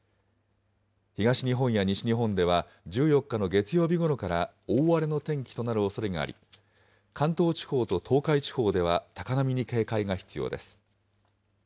東日本や西日本では、１４日の月曜日ごろから大荒れの天気となるおそれがあり、関東地方と東海地方では、高波に警戒が必要です。